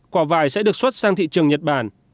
quả vải sẽ được xuất sang thị trường nhật bản